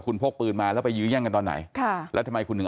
คุณพกปืนมาแล้วไปยื้อแย่งกันตอนไหนค่ะแล้วทำไมคุณถึง